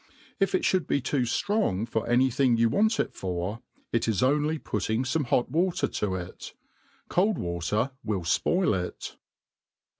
If it (bould be too ftrong.for any thing you want it for, it ia only putting fome hot water to^ it* Cold water will fpoil it.